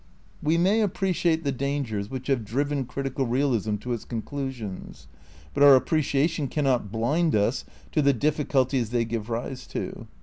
We may appreciate the dangers which have driven critical realism to its conclusions, but our appreciation cannot blind us to the difficulties they give rise to.